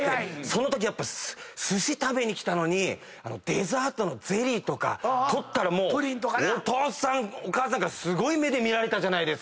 そのときすし食べに来たのにデザートのゼリーとか取ったらお父さんお母さんからすごい目で見られたじゃない。